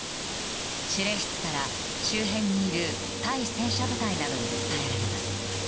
指令室から周辺にいる対戦車部隊などに伝えられます。